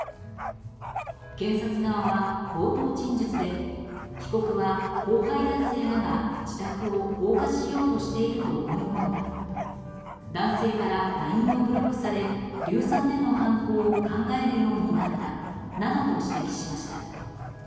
検察側は冒頭陳述で被告は後輩男性らが自宅を放火しようとしていると思い込んだ男性からＬＩＮＥをブロックされ硫酸での犯行を考えるようになったなどと指摘しました。